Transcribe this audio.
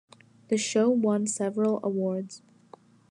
The show won several awards.